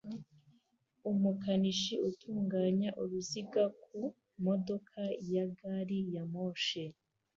Umukanishi utunganya uruziga ku modoka ya gari ya moshi